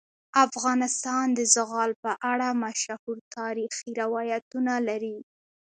افغانستان د زغال په اړه مشهور تاریخی روایتونه لري.